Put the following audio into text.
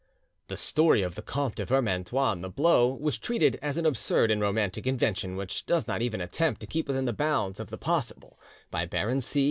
The story of the Comte de Vermandois and the blow was treated as an absurd and romantic invention, which does not even attempt to keep within the bounds of the possible, by Baron C.